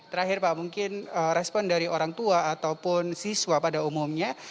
terakhir pak mungkin respon dari orang tua ataupun siswa pada umumnya